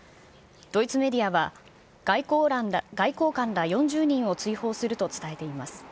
ドイツメディアは、外交官ら４０人を追放すると伝えています。